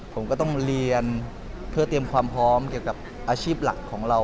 ผมก็ต้องเรียนเพื่อเตรียมความพร้อมเกี่ยวกับอาชีพหลักของเรา